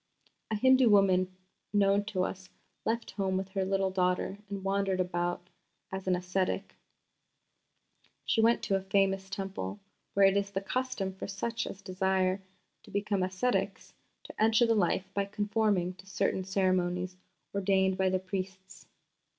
A Hindu woman known to us left home with her little daughter and wandered about as an ascetic. She went to a famous Temple, where it is the custom for such as desire to become ascetics to enter the life by conforming to certain ceremonies ordained by the priests.